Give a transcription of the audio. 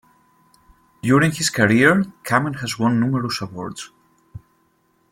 During his career Kamen has won numerous awards.